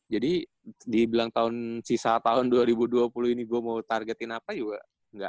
jadi dibilang sisa tahun dua ribu dua puluh ini gue mau targetin apa